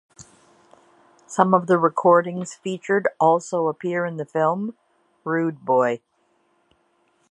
Some of the recordings featured also appear in the film "Rude Boy".